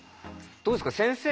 どうですか先生